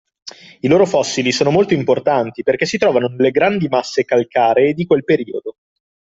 I loro fossili sono molto importanti perché si trovano nelle grandi masse calcaree di quel periodo